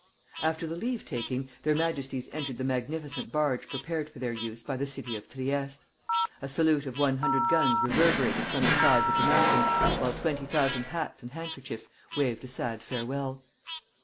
After the leave taking, their Majesties entered the magnificent barge prepared for their use by the city of Trieste; a salute of one hundred guns reverberated from the sides of the mountain, while twenty thousand hats and handkerchiefs waved a sad farewell.